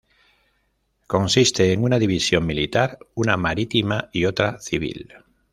Consiste en una división militar, una marítima y otra civil.